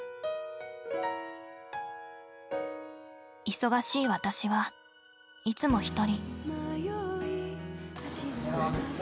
忙しい私はいつも一人。